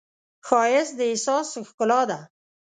ښایست د احساس ښکلا ده